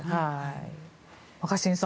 若新さん